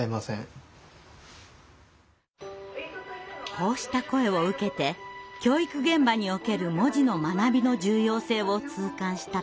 こうした声を受けて教育現場における文字の学びの重要性を痛感した高田さん。